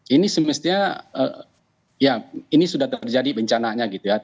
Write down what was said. ini semestinya ya ini sudah terjadi bencananya gitu ya